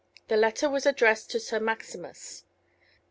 The letter was addressed to Sir Maximus.